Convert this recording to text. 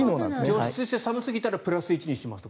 除湿して寒すぎたらプラス１にしますと。